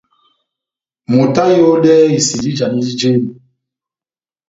Moto aháyodɛ isinji ijanidi jémi.